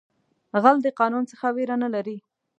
غل د قانون څخه ویره نه لري